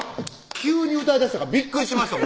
急に歌いだしたからびっくりしました